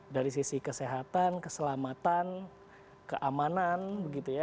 dari sisi kesehatan keselamatan keamanan begitu ya